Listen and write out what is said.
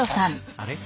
あれ？